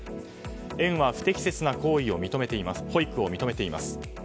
園は不適切な保育を認めています。